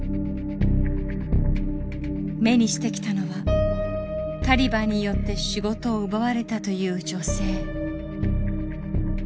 目にしてきたのはタリバンによって仕事を奪われたという女性。